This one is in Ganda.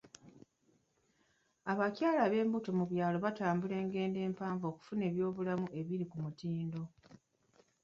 Abakyala b'embuto mu byalo batambula engendo empanvu okufuna eby'obulamu ebiri ku mutindo.